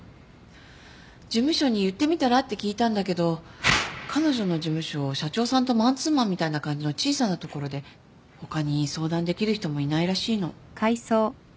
「事務所に言ってみたら？」って聞いたんだけど彼女の事務所社長さんとマンツーマンみたいな感じの小さな所で他に相談できる人もいないらしいの。